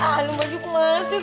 aduh baju gue gimana sih